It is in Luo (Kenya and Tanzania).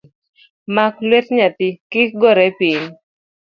Mak lwet nyathi kik gore piny.